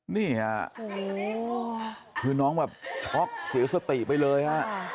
นี่อะคือน้องแบบช็อกเสียสติไปเลยอะ